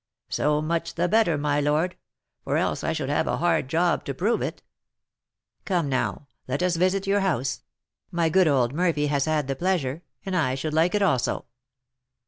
"So much the better, my lord; for else I should have a hard job to prove it." "Come, now, let us visit your house; my good old Murphy has had the pleasure, and I should like it also."